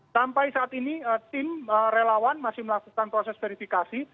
sampai saat ini tim relawan masih melakukan proses verifikasi